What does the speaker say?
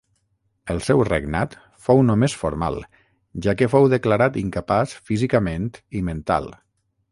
El seu regnat fou només formal, ja que fou declarat incapaç físicament i mental.